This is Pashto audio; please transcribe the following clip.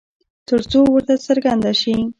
ترڅو ورته څرگنده شي